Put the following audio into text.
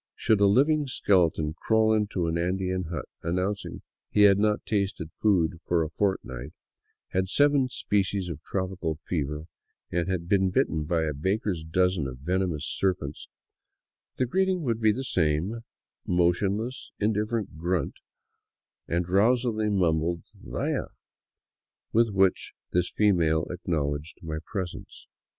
Should a living skeleton crawl into an Andean hut announcing he had not tasted food for a fortnight, had seven species of tropical fever, and had been bitten by a baker's dozen of venomous serpents, the greeting would be the same motionless, in different grunt and drowsily mumbled " Vaya !" with which this female acknowledged my presence.